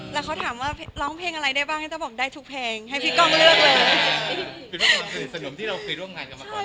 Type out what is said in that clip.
แล้วเขาถามว่าร้องเพลงอะไรได้บ้างแล้วตะบอกได้ทุกเพลงให้พี่ก้องเลือกเลย